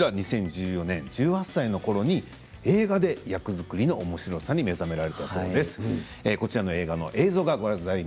２０１４年１８歳のころに映画の役作りのおもしろさに目覚められたそうです。